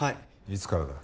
いつからだ？